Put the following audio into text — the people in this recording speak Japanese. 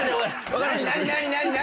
分かりました。